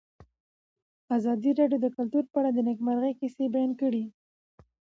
ازادي راډیو د کلتور په اړه د نېکمرغۍ کیسې بیان کړې.